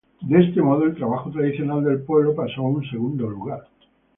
De este modo, el trabajo tradicional del pueblo pasó a un segundo lugar.